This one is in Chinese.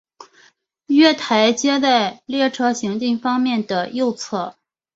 月台皆在列车行进方面的右侧。